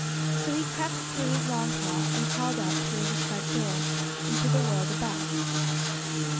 So he crept through his long hall and crawled out through his front door, into the world above.